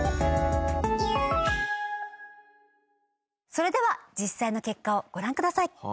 それでは実際の結果をご覧ください。